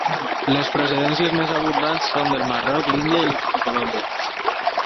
Les procedències més abundants són del Marroc, l'Índia i Colòmbia.